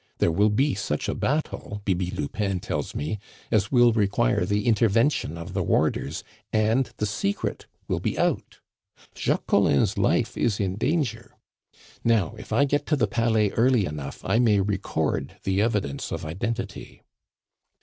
There will be such a battle, Bibi Lupin tells me, as will require the intervention of the warders, and the secret will be out. Jacques Collin's life is in danger. "Now, if I get to the Palais early enough I may record the evidence of identity."